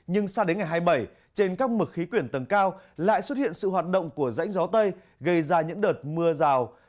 nhưng sao đến ngày hai mươi bảy trên các mực khí quyển tầng cao lại xuất hiện sự hoạt động của rãnh gió tây gây ra những đợt mưa rào